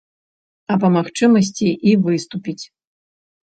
А па магчымасці і выступіць.